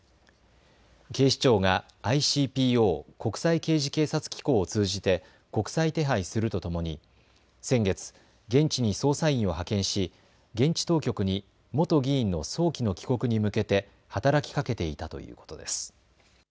警視庁がＩＣＰＯ・国際刑事警察機構を通じて国際手配するとともに先月、現地に捜査員を派遣し現地当局に元議員の早期の帰国に向けて働きかけていたということです。